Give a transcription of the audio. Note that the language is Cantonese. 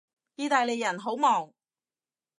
意大利人好忙